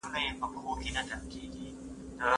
سياست پوهنه د بشري ژوند يوه اساسي اړتيا ده.